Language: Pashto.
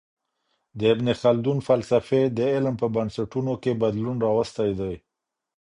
د ابن خلدون فلسفې د علم په بنسټونو کي بدلون راوستی دی.